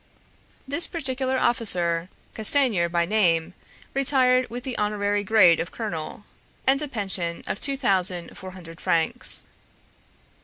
This particular officer, Castanier by name, retired with the honorary grade of colonel, and a pension of two thousand four hundred francs.